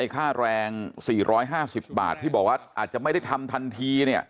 ค่าแรง๔๕๐บาทที่บอกว่าอาจจะไม่ได้ทำทันที